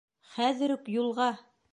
Хәҙер үк юлға!